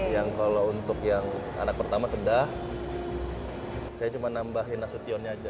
yang kalau untuk yang anak pertama sedah saya cuma nambahin nasutionnya aja